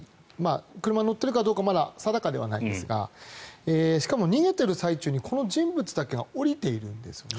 車に乗っているかどうかはまだ定かではないですがしかも逃げてる最中にこの人物だけが降りているんですよね。